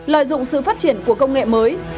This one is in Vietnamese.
lợi dụng sự phát triển của công nghệ mới